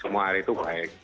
semua hari itu baik